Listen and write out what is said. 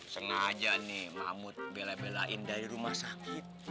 sengaja nih mahmud bela belain dari rumah sakit